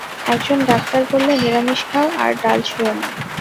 একজন ডাক্তার বললে, নিরামিষ খাও, আর দাল ছুঁয়ো না।